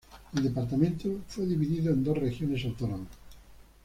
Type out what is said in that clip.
El departamento fue dividido en dos regiones autónomas.